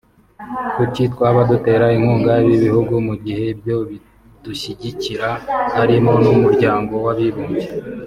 Kuki twaba dutera inkunga ibi bihugu mu gihe byo bitadushyigikira (harimo n’Umuryango w’Abibumbye)